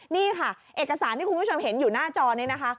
นี่ค่ะเอกสารที่คุณผู้ชมเห็นอยู่หน้าจอนี้นะคะ